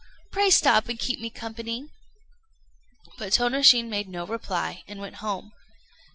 Pray stop and keep me company." But Tônoshin made no reply, and went home.